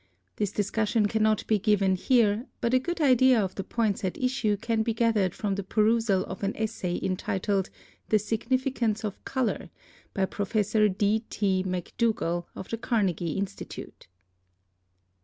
This discussion cannot be given here, but a good idea of the points at issue can be gathered from the perusal of an essay entitled 'The Significance of Color' by Professor D. T. MacDougal, of the Carnegie Institute.